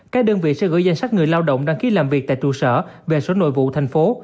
các đơn vị sẽ gửi danh sách người lao động đăng ký làm việc tại trụ sở về sở nội vụ thành phố